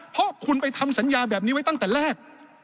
เพราะคุณไปทำสัญญาแบบนี้ไว้ตั้งแต่แรก